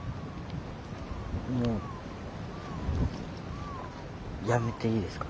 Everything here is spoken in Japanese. もうやめていいですか？